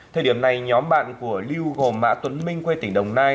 thời điểm này nhóm bạn của lưu gồm mã tuấn minh quê tỉnh đồng nai